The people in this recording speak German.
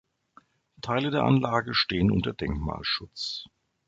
Teile der Anlage stehen unter Denkmalschutz.